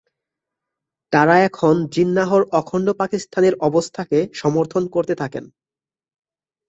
তাঁরা এখন জিন্নাহর অখন্ড পাকিস্তানের অবস্থাকে সমর্থন করতে থাকেন।